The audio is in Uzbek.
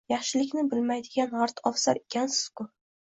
Yaxshilikni bilmaydigan g‘irt ovsar ekansiz-ku!